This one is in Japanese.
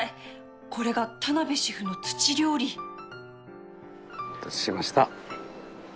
これが田辺シェフの土料理お待たせしました。